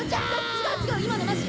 ・違う違う今のなし！